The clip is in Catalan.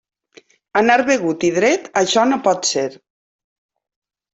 Anar begut i dret, això no pot ser.